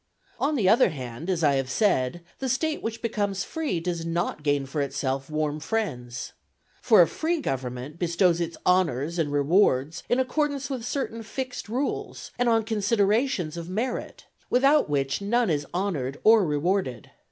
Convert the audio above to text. On the other hand, as I have said, the State which becomes free does not gain for itself warm friends. For a free government bestows its honours and rewards in accordance with certain fixed rules, and on considerations of merit, without which none is honoured or rewarded.